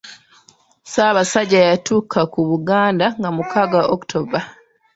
Ssaabasajja yatuuka ku Buganda nga mukaaga October.